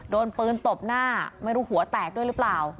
โดนปืนตบหน้าไม่รู้หัวแตกด้วยหรือเปล่า